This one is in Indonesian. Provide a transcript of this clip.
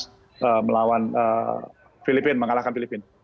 jadi kita bisa melawan filipina mengalahkan filipina